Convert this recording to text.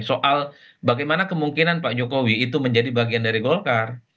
soal bagaimana kemungkinan pak jokowi itu menjadi bagian dari golkar